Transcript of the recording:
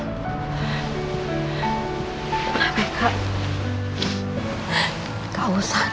nggak usah kak